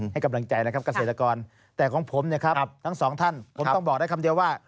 ให้กำลังใจนะครับเกษตรกรแต่ของผมนะครับทั้งสองท่านผมต้องบอกได้คำเดียวว่า